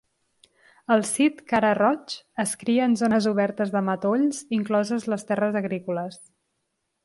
El sit cara-roig es cria en zones obertes de matolls, incloses les terres agrícoles.